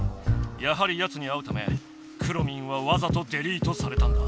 やはりやつに会うためくろミンはわざとデリートされたんだ。